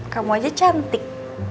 kamu aja cantik